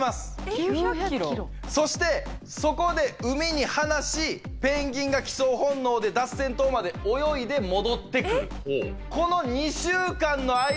そしてそこで海に放しペンギンが帰巣本能でダッセン島まで泳いで戻ってくる。